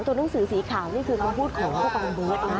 ตัวหนังสือสีขาวนี่คือคำพูดของผู้กองเบิร์ด